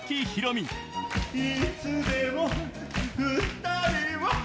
いつでも二人は